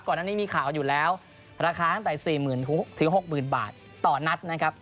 อันนี้มีข่าวอยู่แล้วราคาตั้งแต่๔๐๐๖๐๐๐บาทต่อนัดนะครับ